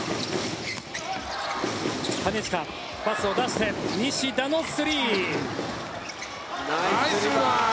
金近、パスを出して西田のスリー。